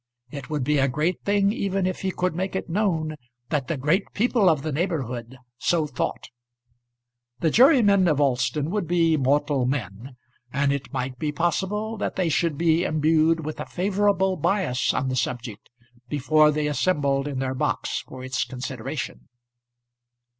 It would be a great thing even if he could make it known that the great people of the neighbourhood so thought. The jurymen of Alston would be mortal men; and it might be possible that they should be imbued with a favourable bias on the subject before they assembled in their box for its consideration.